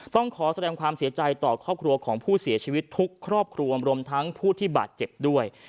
ต้องขอแสดงความเสียใจต่อครอบครัวของผู้เสียชีวิตทุกครอบครัวรวมทั้งผู้ที่บาดเจ็บด้วย